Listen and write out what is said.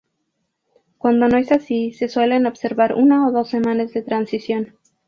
Cuando no es así, se suelen observar una o dos semanas de transición.